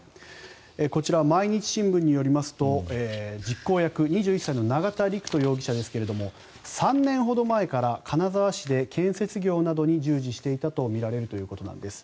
こちら毎日新聞によりますと実行役２１歳の永田陸人容疑者ですが３年ほど前から金沢市で建設業などに従事していたとみられるということです。